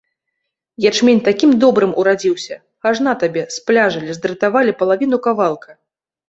Ячмень такім добрым урадзіўся, аж на табе спляжылі, здратавалі палавіну кавалка.